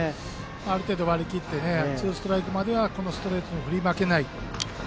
ある程度、割り切ってツーストライクまではストレートに振り負けない。